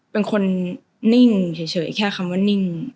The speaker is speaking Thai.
เป็นคนนิ่งเฉยแค่คำว่านิ่ง